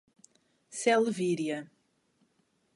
Selvíria